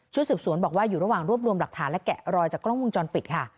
สืบสวนบอกว่าอยู่ระหว่างรวบรวมหลักฐานและแกะรอยจากกล้องวงจรปิดค่ะ